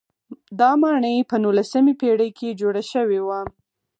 دا ماڼۍ په نولسمې پېړۍ کې جوړه شوې وه.